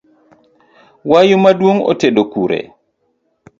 Wayu maduong’ otedo kure?